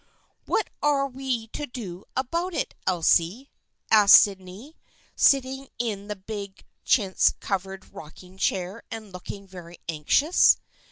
"What are we to do about it, Elsie?" asked Sydney, sitting in the big chintz covered rocking chair and looking very anxious.